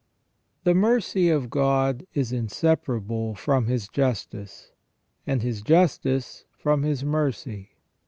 The mercy of God is inseparable from His justice, and His justice from His mercy.